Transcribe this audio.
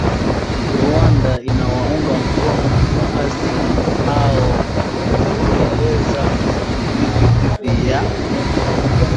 Rwanda inawaunga mkono waasi hao kutekeleza mashambulizi dhidi ya